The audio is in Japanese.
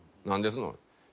「何ですの？」